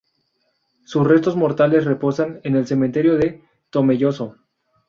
Sus restos mortales reposan en el cementerio de Tomelloso.